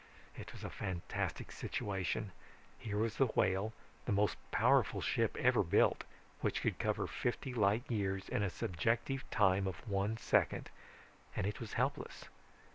"It was a fantastic situation. Here was the Whale, the most powerful ship ever built, which could cover fifty light years in a subjective time of one second, and it was helpless.